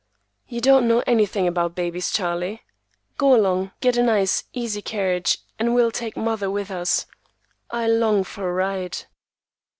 "You don't know anything about babies, Charlie. Go along. Get a nice, easy carriage, and we'll take mother with us. I long for a ride."